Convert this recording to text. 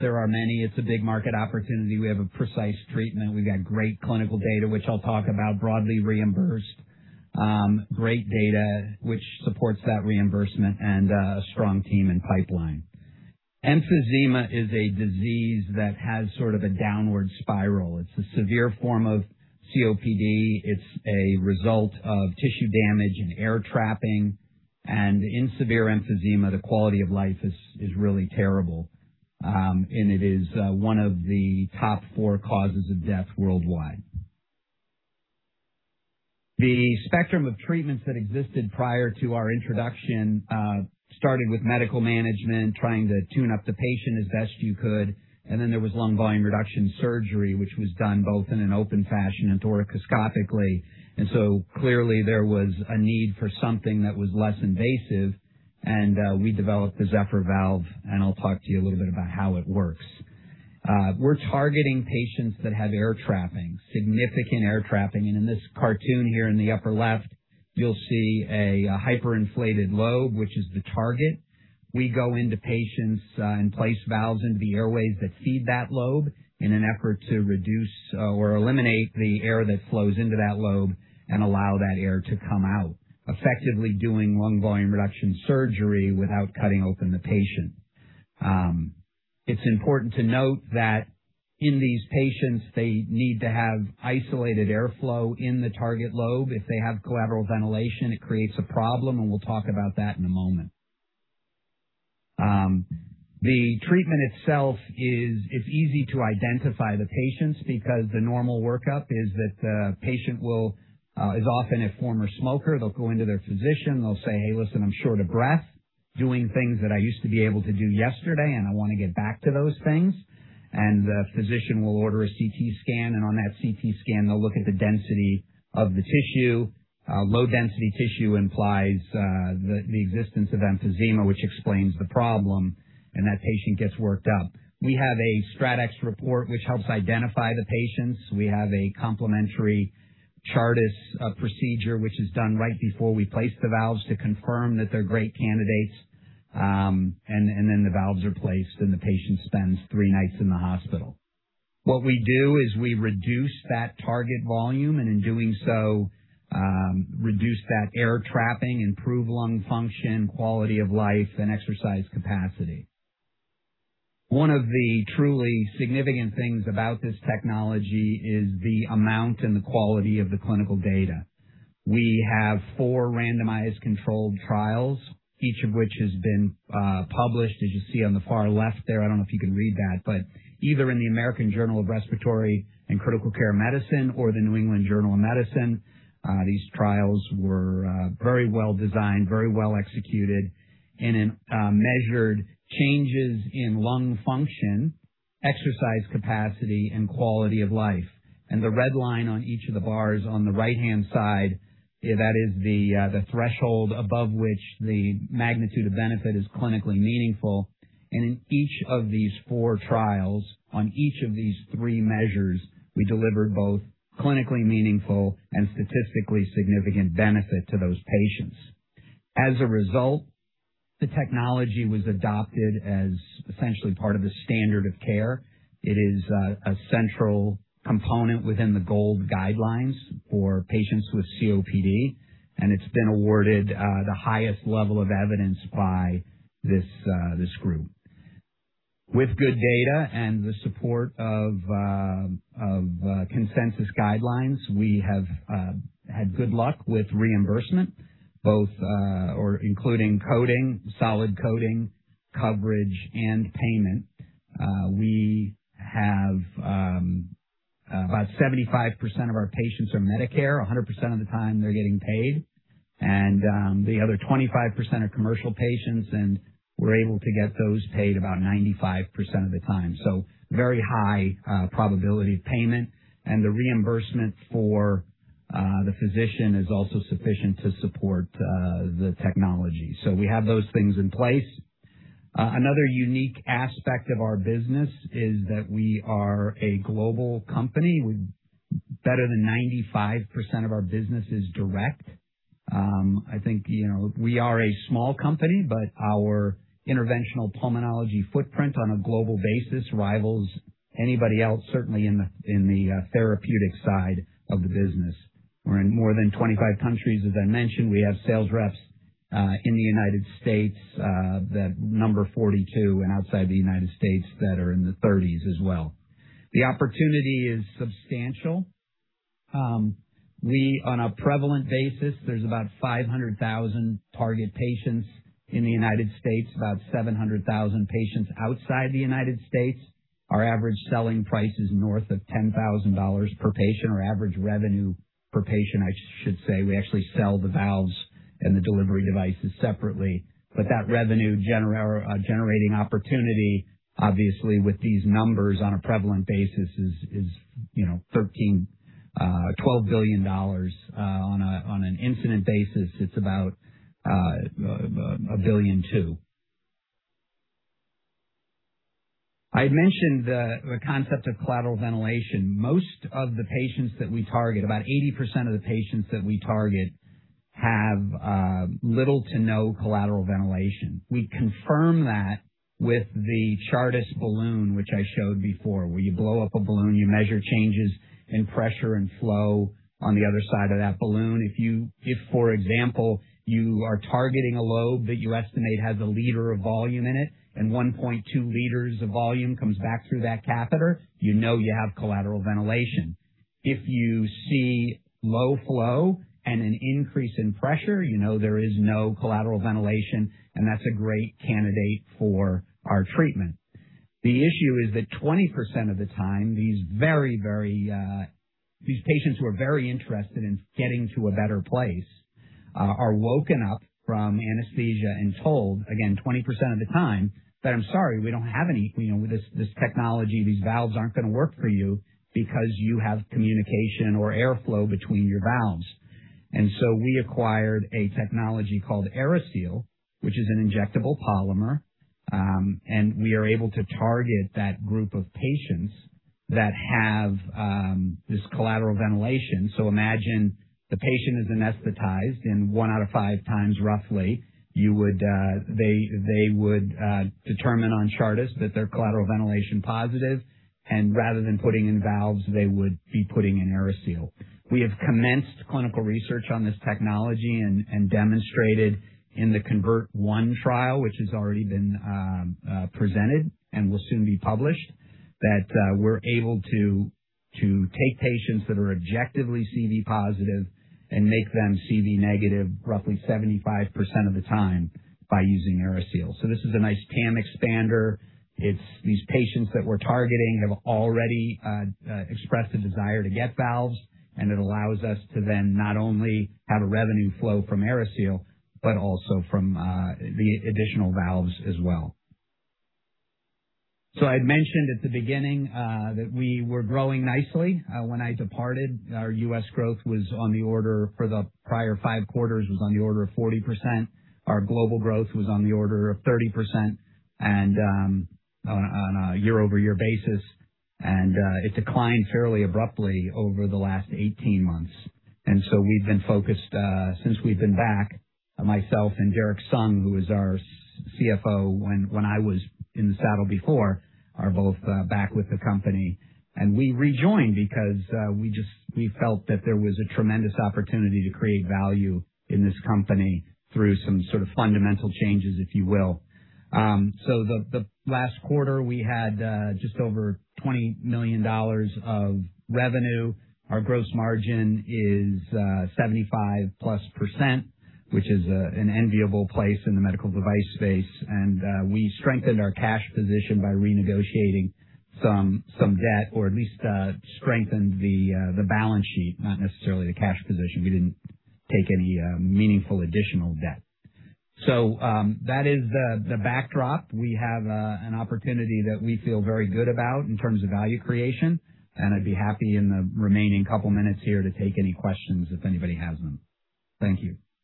There are many. It's a big market opportunity. We have a precise treatment. We've got great clinical data, which I'll talk about, broadly reimbursed, great data which supports that reimbursement and a strong team and pipeline. Emphysema is a disease that has sort of a downward spiral. It's a severe form of COPD. It's a result of tissue damage and air trapping. In severe emphysema, the quality of life is really terrible. It is one of the top four causes of death worldwide. The spectrum of treatments that existed prior to our introduction started with medical management, trying to tune up the patient as best you could. Then there was lung volume reduction surgery, which was done both in an open fashion and thoracoscopically. Clearly, there was a need for something that was less invasive, and we developed the Zephyr Valve, and I'll talk to you a little bit about how it works. We're targeting patients that have air trapping, significant air trapping. In this cartoon here in the upper left, you'll see a hyperinflated lobe, which is the target. We go into patients and place valves into the airways that feed that lobe in an effort to reduce or eliminate the air that flows into that lobe and allow that air to come out, effectively doing lung volume reduction surgery without cutting open the patient. It's important to note that in these patients, they need to have isolated airflow in the target lobe. If they have collateral ventilation, it creates a problem, and we'll talk about that in a moment. The treatment itself is, it's easy to identify the patients because the normal workup is that the patient will, is often a former smoker. They'll go into their physician, they'll say, "Hey, listen, I'm short of breath doing things that I used to be able to do yesterday, and I wanna get back to those things." The physician will order a CT scan, and on that CT scan, they'll look at the density of the tissue. Low density tissue implies the existence of emphysema, which explains the problem, and that patient gets worked up. We have a StratX report which helps identify the patients. We have a complementary Chartis procedure, which is done right before we place the valves to confirm that they're great candidates. Then the valves are placed, and the patient spends three nights in the hospital. What we do is we reduce that target volume, and in doing so, reduce that air trapping, improve lung function, quality of life, and exercise capacity. One of the truly significant things about this technology is the amount and the quality of the clinical data. We have four randomized controlled trials, each of which has been published, as you see on the far left there. I don't know if you can read that, but either in the American Journal of Respiratory and Critical Care Medicine or The New England Journal of Medicine, these trials were very well-designed, very well-executed, and measured changes in lung function, exercise capacity, and quality of life. The red line on each of the bars on the right-hand side, that is the threshold above which the magnitude of benefit is clinically meaningful. In each of these four trials, on each of these three measures, we delivered both clinically meaningful and statistically significant benefit to those patients. As a result, the technology was adopted as essentially part of the standard of care. It is a central component within the GOLD guidelines for patients with COPD, and it's been awarded the highest level of evidence by this group. With good data and the support of consensus guidelines, we have had good luck with reimbursement, both or including coding, solid coding, coverage, and payment. We have about 75% of our patients are Medicare, 100% of the time they're getting paid. The other 25% are commercial patients, and we're able to get those paid about 95% of the time, so very high probability of payment. The reimbursement for the physician is also sufficient to support the technology. We have those things in place. Another unique aspect of our business is that we are a global company. Better than 95% of our business is direct. I think, you know, we are a small company, but our interventional pulmonology footprint on a global basis rivals anybody else, certainly in the therapeutic side of the business. We're in more than 25 countries. As I mentioned, we have sales reps in the United States that number 42 and outside the United States that are in the 30s as well. The opportunity is substantial. We, on a prevalent basis, there's about 500,000 target patients in the United States, about 700,000 patients outside the United States. Our average selling price is north of $10,000 per patient or average revenue per patient, I should say. We actually sell the valves and the delivery devices separately. That revenue-generating opportunity, obviously with these numbers on a prevalent basis is, you know, $12 billion. On an incident basis, it's about $1.2 billion. I had mentioned the concept of collateral ventilation. Most of the patients that we target, about 80% of the patients that we target have little to no collateral ventilation. We confirm that with the Chartis balloon, which I showed before, where you blow up a balloon, you measure changes in pressure and flow on the other side of that balloon. If, for example, you are targeting a lobe that you estimate has 1 L of volume in it, and 1.2 L of volume comes back through that catheter, you know you have collateral ventilation. If you see low flow and an increase in pressure, you know there is no collateral ventilation, and that's a great candidate for our treatment. The issue is that 20% of the time, these very, very, these patients who are very interested in getting to a better place, are woken up from anesthesia and told, again, 20% of the time that, "I'm sorry, we don't have any, you know, this technology, these valves aren't gonna work for you because you have communication or airflow between your valves." So, we acquired a technology called AeriSeal, which is an injectable polymer, and we are able to target that group of patients that have this collateral ventilation. Imagine the patient is anesthetized, and one out of five times, roughly, you would, they would determine on Chartis that they're collateral ventilation positive, and rather than putting in valves, they would be putting in AeriSeal. We have commenced clinical research on this technology and demonstrated in the CONVERT I trial, which has already been presented and will soon be published, that we're able to take patients that are objectively CV+ and make them CV- roughly 75% of the time by using AeriSeal. This is a nice TAM expander. It's these patients that we're targeting have already expressed a desire to get valves, and it allows us to then not only have a revenue flow from AeriSeal, but also from the additional valves as well. I'd mentioned at the beginning that we were growing nicely. When I departed, our U.S. growth was on the order, for the prior five quarters, was on the order of 40%. Our global growth was on the order of 30% and on a year-over-year basis. It declined fairly abruptly over the last 18 months, so we've been focused, since we've been back, myself and Derrick Sung, who was our CFO when I was in the saddle before, are both back with the company. We rejoined because we felt that there was a tremendous opportunity to create value in this company through some sort of fundamental changes, if you will. The last quarter, we had just over $20 million of revenue. Our gross margin is 75%+, which is an enviable place in the medical device space. We strengthened our cash position by renegotiating some debt or at least strengthened the balance sheet, not necessarily the cash position, we didn't take any meaningful additional debt. That is the backdrop. We have an opportunity that we feel very good about in terms of value creation, and I'd be happy in the remaining couple minutes here to take any questions if anybody has them. Thank you.